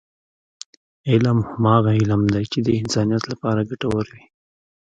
علم هماغه علم دی، چې د انسانیت لپاره ګټور وي.